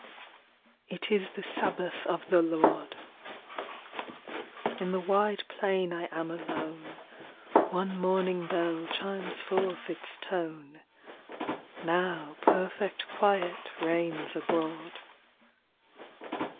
It is the Sabbath of the Lord ; In the wide plain I am alone, One morning bell chimes forth its tone, Now perfect quiet reigns abroad.